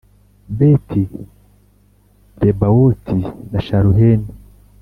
Beti Lebawoti na Sharuheni